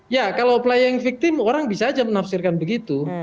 ya kalau playing victim orang bisa aja menafsirkan begitu